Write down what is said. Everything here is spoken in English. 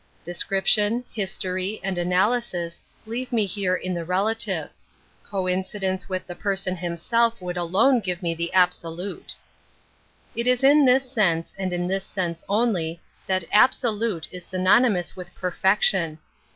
De scription, history, and analysis leave me here in I he relative. Coincidence with Metaphysics 5 the person himself would alone give me;' the absolute. ! It is in this sense, and in this sense only, \ that absolute is synonymous with perfec r tion.